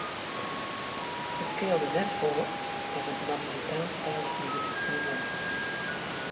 It skeelde net folle of in Napolitaansktalich liet hie wûn.